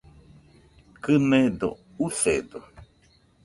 Kɨnedo, usedo